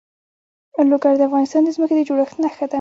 لوگر د افغانستان د ځمکې د جوړښت نښه ده.